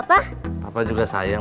kan orang mudak liking